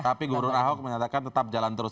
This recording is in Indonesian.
tapi gubernur ahok menyatakan tetap jalan terus